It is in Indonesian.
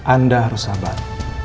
anda harus sabar